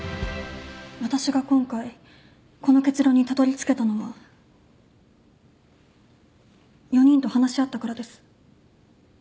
私が今回この結論にたどりつけたのは４人と話し合ったからです。